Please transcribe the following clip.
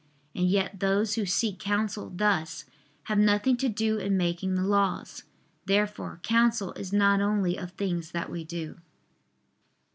And yet those who seek counsel thus, have nothing to do in making the laws. Therefore counsel is not only of things that we do.